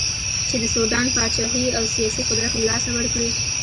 چې د سوډان پاچهي او سیاسي قدرت له لاسه ورکړي.